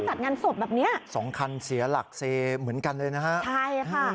จัดงานศพแบบเนี้ยสองคันเสียหลักเซเหมือนกันเลยนะฮะใช่ค่ะ